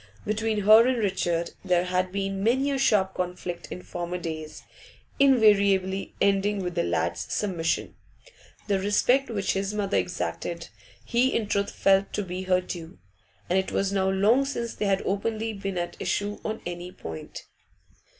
Between her and Richard there had been many a sharp conflict in former days, invariably ending with the lad's submission; the respect which his mother exacted he in truth felt to be her due, and it was now long since they had openly been at issue on any point.